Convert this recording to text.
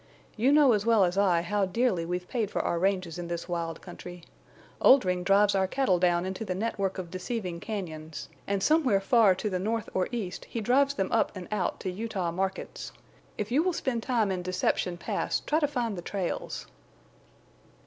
You know as well as I how dearly we've paid for our ranges in this wild country. Oldring drives our cattle down into the network of deceiving cañons, and somewhere far to the north or east he drives them up and out to Utah markets. If you will spend time in Deception Pass try to find the trails."